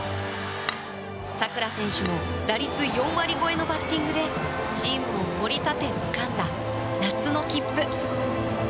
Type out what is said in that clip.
佐倉選手も打率４割超えのバッティングでチームを盛り立てつかんだ夏の切符。